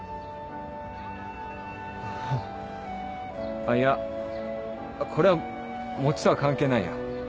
あっいやこれは餅とは関係ないや。